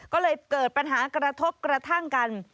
ก็เลยเกิดปัญหากระทบกระทั่งกัน